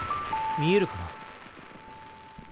見えるかな？